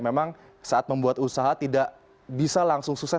memang saat membuat usaha tidak bisa langsung sukses